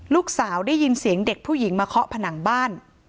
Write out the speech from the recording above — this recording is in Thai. ลูกสาวได้ยินเสียงเด็กผู้หญิงมาเคาะผนังบ้าน